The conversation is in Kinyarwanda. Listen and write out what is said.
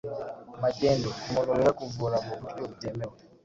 Magendu: umuntu wiha kuvura mu buryo butemew